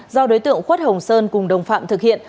do đối tượng khuất hồng sơn cùng đồng phạm thực hiện